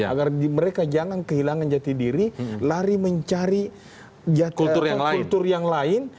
agar mereka jangan kehilangan jati diri lari mencari kultur yang lain